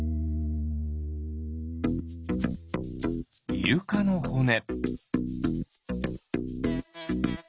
イルカのほね。